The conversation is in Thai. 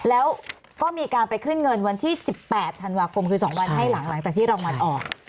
แล้วก็มีการไปขึ้นเงินวันที่๑๘ธันวาคมคือ๒วันให้หลังจากที่รางวัลออก